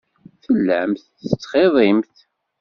Tellamt tettxiḍimt.